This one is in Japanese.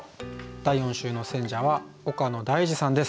第４週の選者は岡野大嗣さんです。